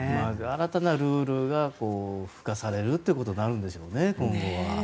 新たなルールが付加されることになるんでしょうね、今後は。